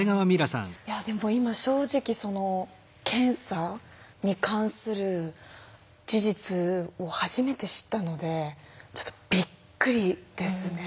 いやでも今正直検査に関する事実を初めて知ったのでちょっとびっくりですね。